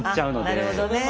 あなるほどね。